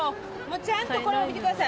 ちゃんと、これ見てください。